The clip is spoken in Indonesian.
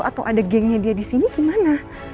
atau ada gengnya dia disini gimana